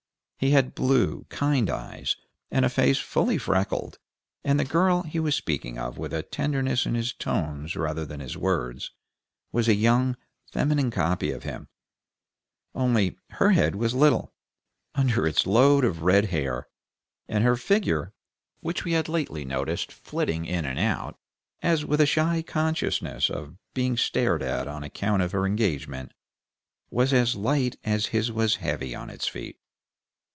He had blue, kind eyes, and a face fully freckled, and the girl he was speaking of with a tenderness in his tones rather than his words, was a young feminine copy of him; only, her head was little, under its load of red hair, and her figure, which we had lately noticed flitting in and out, as with a shy consciousness of being stared at on account of her engagement, was as light as his was heavy on its feet.